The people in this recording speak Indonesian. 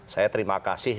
saya terima kasih